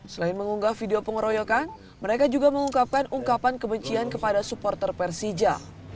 selain mengunggah video pengeroyokan mereka juga mengungkapkan ungkapan kebencian kepada supporter persija